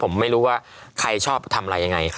ผมไม่รู้ว่าใครชอบทำอะไรยังไง